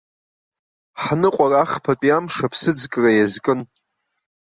Ҳныҟәара ахԥатәи амш аԥсыӡкра иазкын.